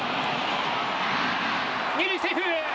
二塁セーフ。